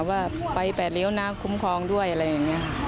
ว่าไปแปดริ้วนะคุ้มครองด้วยอะไรอย่างนี้